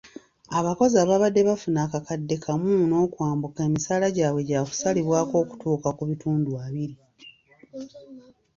Abakozi ababadde bafuna akakadde kamu n'okwambuka emisaala gyabwe gyakusalibwako okutuuka ku bitundu abiri.